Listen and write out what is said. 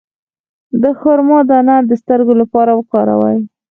د خرما دانه د سترګو لپاره وکاروئ